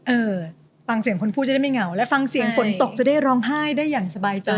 เออฟังเสียงคนพูดจะได้ไม่เหงาและฟังเสียงฝนตกจะได้ร้องไห้ได้อย่างสบายใจ